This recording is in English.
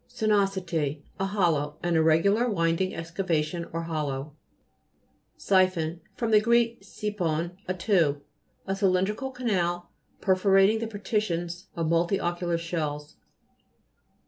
SINUO'SITT A hollow, an irregular, winding excavation or hollow. SI'PHOW fr. gr. siphon, a tube. A cylindrical canal, perforating the partitions of multilocular shells.